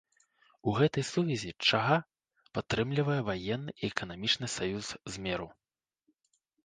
У гэтай сувязі чага падтрымлівалі ваенны і эканамічны саюз з меру.